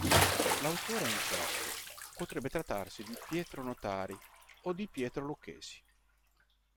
L'autore è incerto, potrebbe trattarsi di Pietro Notari o di Pietro Lucchesi.